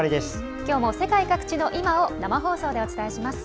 きょうも世界各地の今を生放送でお伝えします。